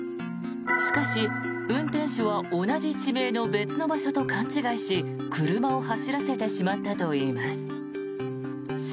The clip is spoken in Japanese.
しかし、運転手は同じ地名の別の場所と勘違いし車を走らせてしまったといいます。